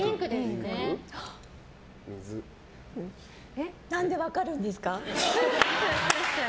え何で分かるんですか？